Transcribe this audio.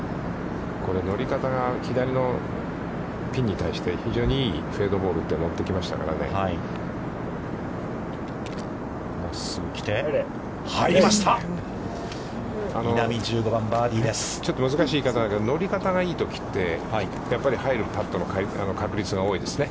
これ、乗り方が左のピンに対して非常にいいフェードボールで乗ってきましたからね。